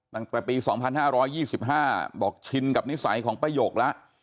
ตั้งแต่ปี๒๕๒๕บอกชินกับนิสัยของป้ายกแล้ว